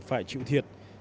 phải chịu thiệt